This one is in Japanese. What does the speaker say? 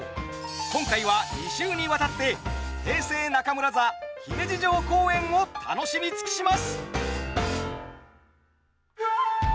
今回は２週にわたって平成中村座姫路城公演を楽しみ尽くします。